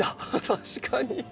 確かに。